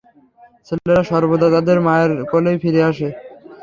ছেলেরা সর্বদা তাদের মায়ের কোলেই ফিরে আসে।